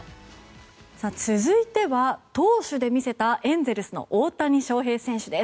続いては、投手で見せたエンゼルスの大谷翔平選手です。